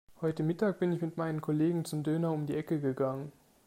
Heute Mittag bin ich mit meinen Kollegen zum Döner um die Ecke gegangen.